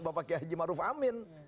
bapak yajim aruf amin